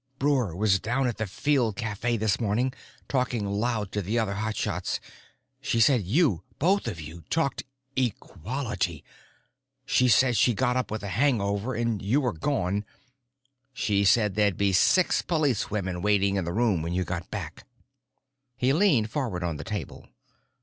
Breuer was down at the field cafe this morning, talking loud to the other hot shots. She said you—both of you—talked equality. Said she got up with a hangover and you were gone. But she said there'd be six policewomen waiting in your room when you got back." He leaned forward on the table.